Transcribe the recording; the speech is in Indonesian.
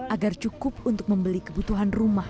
agar cukup untuk membeli kebutuhan rumah